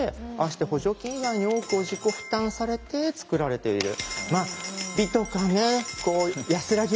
して補助金以外に多くを自己負担されて作られている。